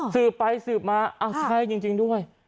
สืบไปสืบมาอ้าวใช่จริงด้วย